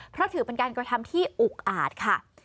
เพราะถือเป็นการกระทำที่อุกอาจค่ะ